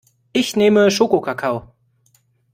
Ich nehme Schokokakao.